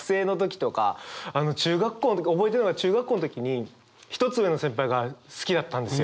覚えてるのが中学校の時に１つ上の先輩が好きだったんですよ。